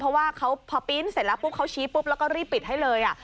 เพราะว่าพอปี้นเสร็จเขาชี้ปุ๊บแล้วก็รีบปิดให้เลยอะ